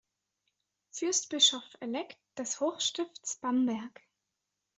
Fürstbischof-Elekt des Hochstiftes Bamberg.